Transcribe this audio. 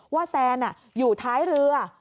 แซนอยู่ท้ายเรือ